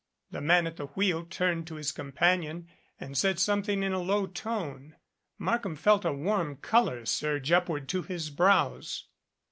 The man at the wheel turned to his companion and said something in a low tone. Markham felt a warm color surge upward to his brows.